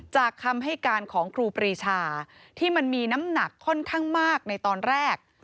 คำให้การของครูปรีชาที่มันมีน้ำหนักค่อนข้างมากในตอนแรก